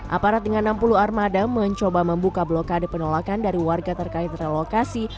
aparat dengan enam puluh armada mencoba membuka blokade penolakan dari warga terkait relokasi